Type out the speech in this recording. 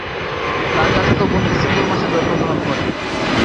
তার চাচাতো বোন ডিসেম্বর মাসে জন্মগ্রহণ করে।